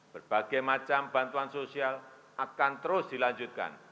berbagai macam bantuan sosial akan terus dilanjutkan